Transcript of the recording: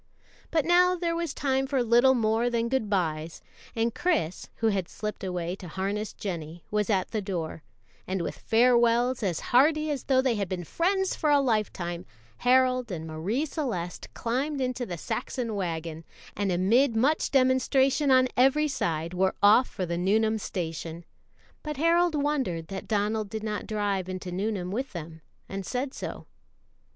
But now there was time for little more than good bys, and Chris, who had slipped away to harness Jennie, was at the door; and with farewells as hearty as though they had been friends for a lifetime, Harold and Marie Celeste climbed into the Saxon wagon, and amid much demonstration on every side were off for the Nuneham station; but Harold wondered that Donald did not drive into Nuneham with them, and said so.